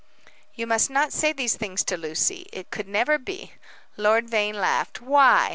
"You must not say these things to Lucy. It could never be." Lord Vane laughed. "Why?"